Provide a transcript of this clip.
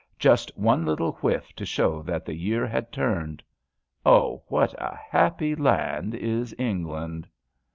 Just one little whiff to show that the year had turned: Oh, what a happy land is England!